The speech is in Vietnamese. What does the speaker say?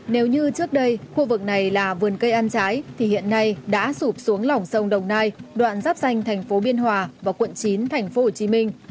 nếu như trước đây khu vực này là vườn cây ăn trái thì hiện nay đã sụp xuống lỏng sông đồng nai đoạn dắp danh thành phố biên hòa và quận chín thành phố hồ chí minh